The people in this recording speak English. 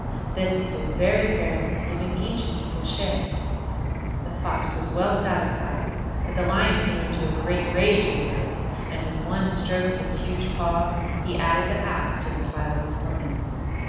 This he did very fairly, giving each an equal share. The Fox was well satisfied, but the Lion flew into a great rage over it, and with one stroke of his huge paw, he added the Ass to the pile of slain.